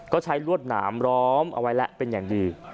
ก็ใช้ลวดหนามล้อมเอาไว้แล้วเป็นอย่างดี